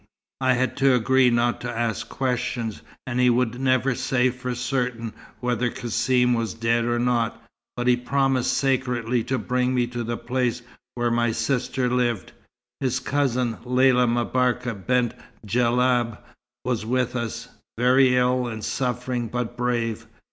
I had to agree not to ask questions, and he would never say for certain whether Cassim was dead or not, but he promised sacredly to bring me to the place where my sister lived. His cousin Lella M'Barka Bent Djellab was with us, very ill and suffering, but brave.